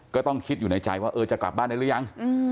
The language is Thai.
ก็ต้องคิดอยู่ในใจว่าเออจะกลับบ้านได้หรือยัง